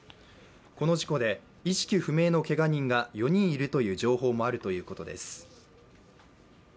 この事故で意識不明のけが人が４人いるという情報もあるということです。